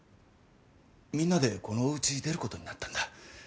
みんなでこのお家出る事になったんだ。